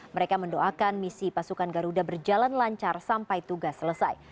mereka mendoakan misi pasukan garuda berjalan lancar sampai tugas selesai